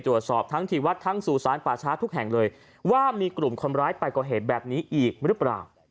ว่ามีกลุ่มคนร้ายไปก่อเหตุแบบนี้อีกรึเปล่า